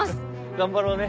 頑張ろうね。